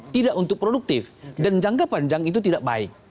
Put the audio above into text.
tidak untuk produktif dan jangka panjang itu tidak baik